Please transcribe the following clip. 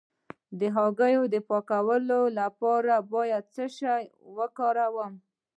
د هګیو د پاکوالي لپاره باید څه شی وکاروم؟